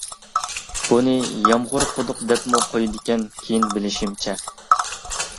بۇنى يامغۇر قۇدۇق دەپمۇ قويىدىكەن كېيىن بىلىشىمچە.